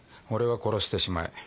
俺は「殺してしまえ」。